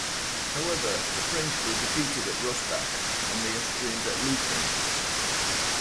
However, the French were defeated at Rossbach and the Austrians at Leuthen.